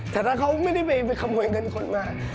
แต่ถ้าเขาไม่ได้ไปขโมยเงินคนมา